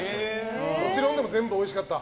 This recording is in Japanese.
もちろんでも全部おいしかった？